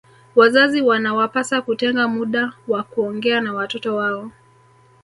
Wazazi wanawapasa kutenga muda wa kuongea na watoto wao